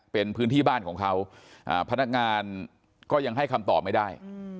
เป็นพื้นที่บ้านของเขาพนักงานก็ยังให้คำตอบไม่ได้